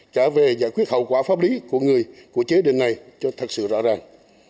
trả về giải quyết hậu quả pháp lý của người của chế định này cho thật sự rõ ràng